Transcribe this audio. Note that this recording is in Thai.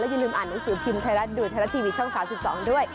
อย่าลืมอ่านหนังสือพิมพ์ไทยรัฐดูไทยรัฐทีวีช่อง๓๒ด้วย